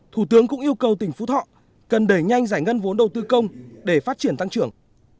thủ tướng cũng yêu cầu tỉnh phú thọ cần đẩy nhanh giải ngân vốn đầu tư công để phát triển tăng trưởng